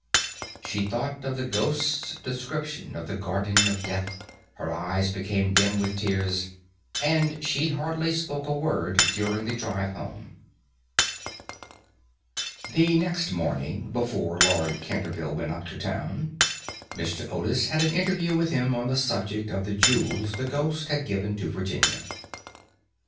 She thought of the ghost's description of the Garden of Death, her eyes became dim with tears, and she hardly spoke a word during the drive home. [Illustration: "THE MOON CAME OUT FROM BEHIND A CLOUD"] The next morning, before Lord Canterville went up to town, Mr. Otis had an interview with him on the subject of the jewels the ghost had given to Virginia.